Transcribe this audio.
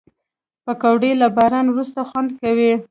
پکورې له باران وروسته خوند کوي